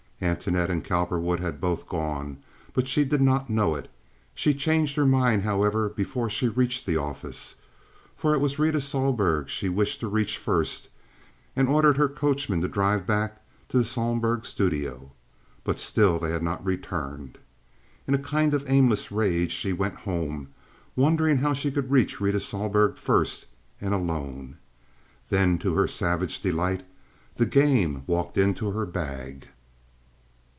Antoinette and Cowperwood had both gone, but she did not know it. She changed her mind, however, before she reached the office—for it was Rita Sohlberg she wished to reach first—and ordered her coachman to drive back to the Sohlberg studio. But still they had not returned. In a kind of aimless rage she went home, wondering how she should reach Rita Sohlberg first and alone. Then, to her savage delight, the game walked into her bag.